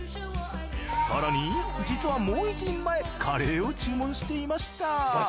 更に実はもう１人前カレーを注文していました。